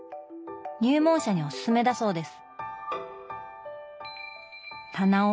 入門者におすすめだそうです。